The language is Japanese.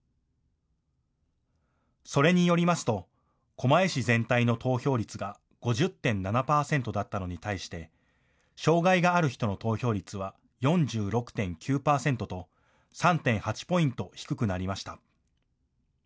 それによりますと狛江市全体の投票率が５０．７％だったのに対して障害がある人の投票率は４６．９％と３．８ポイント低くなりました。